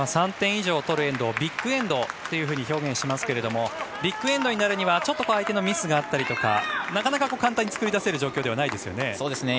３点以上取るエンドをビッグエンドと表現しますがビッグエンドになるには相手のミスがあったりとかなかなか簡単に作り出せないですよね。